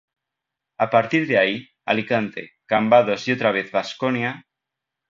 A partir de ahí, Alicante, Cambados y otra vez Baskonia.